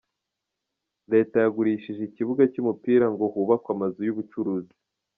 Leta yagurishije ikibuga cy’umupira ngo hubakwe amazu y’ubucuruzi